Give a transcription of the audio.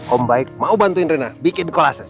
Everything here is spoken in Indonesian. om baik mau bantuin rena bikin kolase